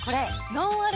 ノンアル⁉